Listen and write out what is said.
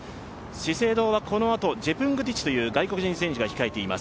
資生堂はこのあと、ジェプングティチという外国人選手が控えています。